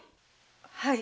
はい。